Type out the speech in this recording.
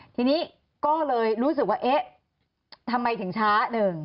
ทีนี้ก็เลยรู้สึกว่าเอ๊ะทำไมถึงช้าหนึ่ง